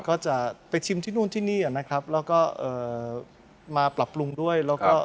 ก็จะไปชิมที่นู่นที่นี่นะครับแล้วก็เอ่อมาปรับปรุงด้วยแล้วก็